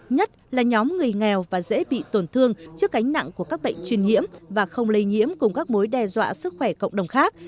nhất là nhóm người nghèo và dễ bị tổn thương trước cánh nặng của các bệnh truyền nhiễm và không lây nhiễm cùng các mối đe dọa sức khỏe cộng đồng khác